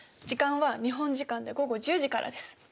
時間は日本時間で午後１０時からです。